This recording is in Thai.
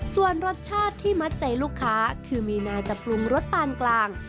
ส่วนรสชาติที่มัดใจลูกค้าคือมีนาจะปรุงรสปานกลาง